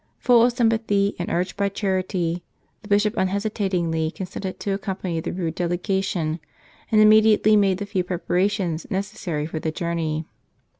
Full of sympathy and urged by charity, the bishop unhesitatingly consented to accompany the rude delegation, and immediately made the few prep¬ arations necessary for the journey.